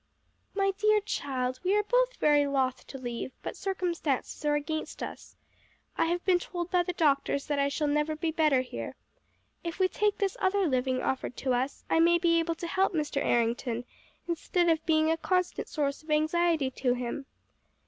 "My dear child, we are both very loth to leave, but circumstances are against us. I have been told by the doctors that I shall never be better here. If we take this other living offered to us, I may be able to help Mr. Errington instead of being a constant source of anxiety to him."